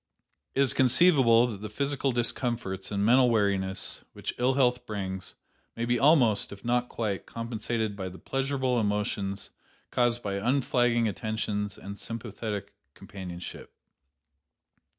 "It is conceivable that the physical discomforts and mental weariness which ill health brings may be almost, if not quite, compensated by the pleasurable emotions caused by unflagging attentions and sympathetic companionship.